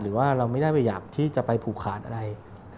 หรือว่าเราไม่ได้ไปอยากที่จะไปผูกขาดอะไร